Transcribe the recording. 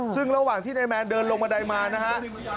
ซึ่งระหว่างที่นายแมนเดินลงบันไดมานะฮะ